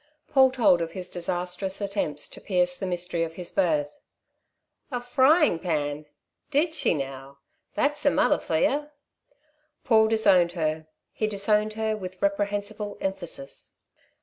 Paul told of his disastrous attempts to pierce the mystery of his birth. "A frying pan? Did she now? That's a mother for yer." Paul disowned her. He disowned her with reprehensible emphasis.